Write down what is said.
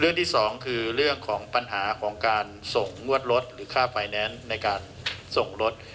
ที่สองคือเรื่องของปัญหาของการส่งงวดรถหรือค่าไฟแนนซ์ในการส่งรถ